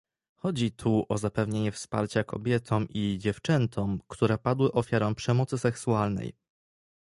Chodzi tu o zapewnienie wsparcia kobietom i dziewczętom, które padły ofiarą przemocy seksualnej